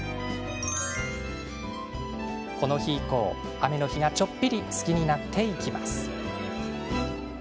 この日以降、雨の日がちょっぴり好きになっていきます。